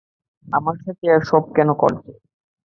আমার সাথে এসব কেন করেছ?